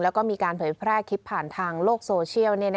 แล้วก็มีการเผยแพร่คลิปผ่านทางโลกโซเชียล